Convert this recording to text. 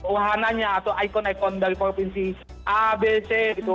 wahananya atau ikon ikon dari provinsi a b c gitu